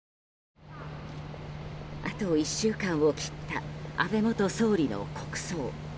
あと１週間を切った安倍元総理の国葬。